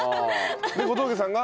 で小峠さんが？